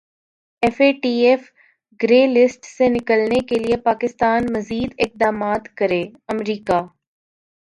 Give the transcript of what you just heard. F A T F grey list سے نکلنے کیلئے پاکستان مزید اقدامات کرے امریکا